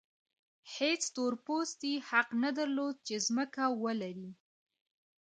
هېڅ تور پوستي حق نه درلود چې ځمکه ولري.